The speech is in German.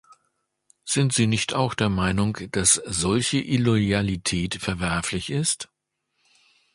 Sind Sie nicht auch der Meinung, dass solche Illoyalität verwerflich ist?